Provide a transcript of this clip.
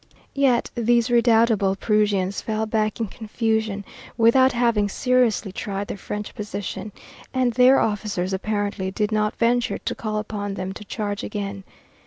Yet these redoubtable Prussians fell back in confusion without having seriously tried the French position, and their officers, apparently, did not venture to call upon them to charge again.